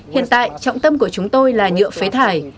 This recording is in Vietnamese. hiện tại trọng tâm của chúng tôi là nhựa phế thải